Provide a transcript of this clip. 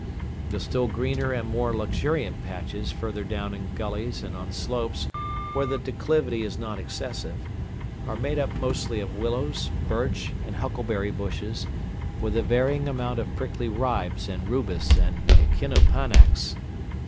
The still greener and more luxuriant patches farther down in gullies and on slopes where the declivity is not excessive, are made up mostly of willows, birch, and huckleberry bushes, with a varying amount of prickly ribes and rubus and echinopanax.